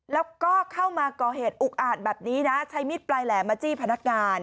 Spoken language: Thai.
แล้วก็เข้ามาก่อเหตุอุกอาจแบบนี้นะใช้มีดปลายแหลมมาจี้พนักงาน